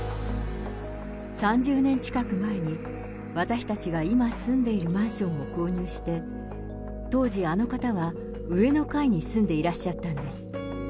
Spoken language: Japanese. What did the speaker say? ３０年近く前に、私たちが今住んでいるマンションを購入して、当時、あの方は上の階に住んでいらっしゃったんです。